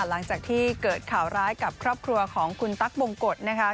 หลังจากที่เกิดข่าวร้ายกับครอบครัวของคุณตั๊กบงกฎนะคะ